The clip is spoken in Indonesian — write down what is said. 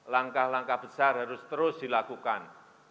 langkah langkah besar harus terus dilakukan